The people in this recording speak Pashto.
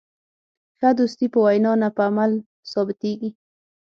ښه دوستي په وینا نه، په عمل ثابتېږي.